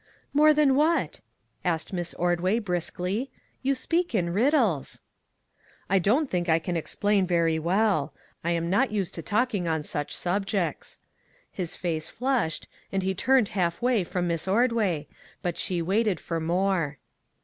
"More that what?" asked Miss Ordway briskly ;" you speak in riddles." " I don't think I can explain very well ; I am not used to talking on such subjects." His face flushed, and he turned half away from Miss Ordway, but she waited for more.